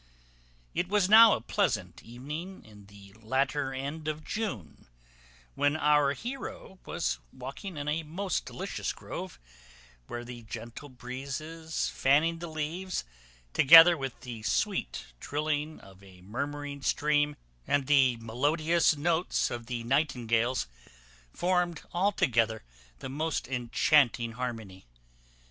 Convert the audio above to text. It was now a pleasant evening in the latter end of June, when our heroe was walking in a most delicious grove, where the gentle breezes fanning the leaves, together with the sweet trilling of a murmuring stream, and the melodious notes of nightingales, formed altogether the most enchanting harmony.